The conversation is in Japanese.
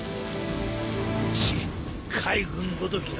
チッ海軍ごときが。